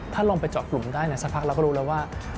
ถ้าลงไปเจาะกลุ่มได้สักพักเราก็รู้แล้วว่า